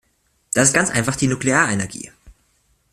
Das ist ganz einfach die Nuklearenergie.